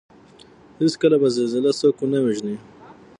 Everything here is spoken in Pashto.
هېڅکله به زلزله څوک ونه وژني